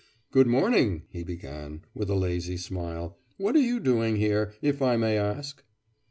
'Good morning!' he began, with a lazy smile; 'what are you doing here, if I may ask?